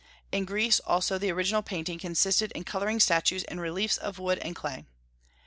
In Greece also the original painting consisted in coloring statues and reliefs of wood and clay.